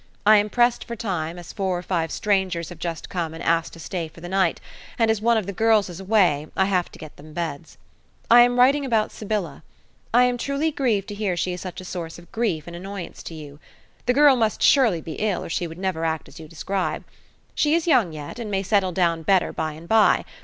I am pressed for time, as four or five strangers have just come and asked to stay for the night, and as one of the girls is away, I have to get them beds. I am writing about Sybylla. I am truly grieved to hear she is such a source of grief and annoyance to you. The girl must surely be ill or she would never act as you describe. She is young yet, and may settle down better by and by.